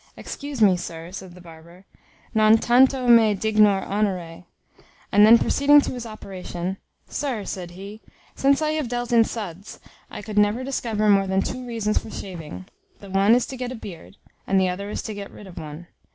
"Excuse me, sir," said the barber, "non tanto me dignor honore." And then proceeding to his operation, "Sir," said he, "since I have dealt in suds, I could never discover more than two reasons for shaving; the one is to get a beard, and the other to get rid of one.